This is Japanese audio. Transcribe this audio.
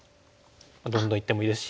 どんどんいってもいいですし。